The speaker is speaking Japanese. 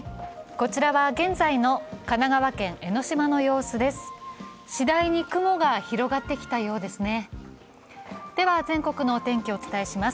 こちらは現在の神奈川県江の島の様子です。